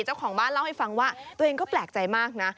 เจ้าของบ้านเล่าให้ฟังว่าตัวเองก็แปลกใจมากนะ